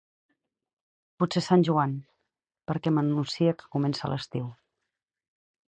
Potser Sant Joan perquè m'anuncia que comença l'estiu.